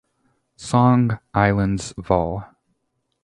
Song Islands vol.